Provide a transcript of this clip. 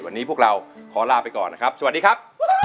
วันนี้พวกเราขอลาไปก่อนนะครับสวัสดีครับ